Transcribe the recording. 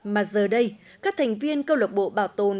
mà giờ đây các thành viên câu lạc bộ bảo tồn